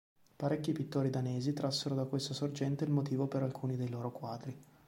Parecchi pittori danesi trassero da questa sorgente il motivo per alcuni dei loro quadri.